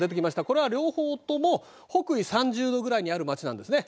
これは両方とも北緯３０度ぐらいにある町なんですね。